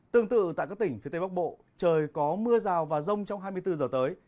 tương tự tại các tỉnh phía tây bắc bộ trời có mưa rào và rông trong hai mươi bốn giờ tới